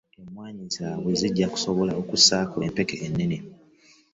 Emmwanyi zaabwe zijja kusobola okussaako empeke ennene.